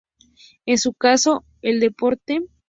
En su caso, el deporte.